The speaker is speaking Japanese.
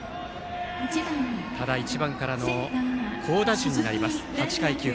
ただ、１番からの好打順になります８回、９回。